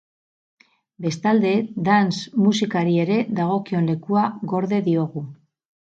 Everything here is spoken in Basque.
Bestalde, dance musikari ere dagokion lekua gorde diogu.